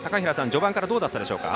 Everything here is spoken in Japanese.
序盤からどうだったでしょうか。